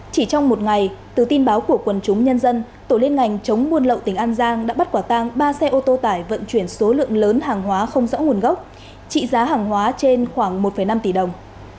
chỉ trong một ngày từ tin báo của quần chúng nhân dân tổ liên ngành chống buôn lậu tỉnh an giang đã bắt quả tang ba xe ô tô tải vận chuyển số lượng lớn hàng hóa không rõ nguồn gốc trị giá hàng hóa trên khoảng một năm tỷ đồng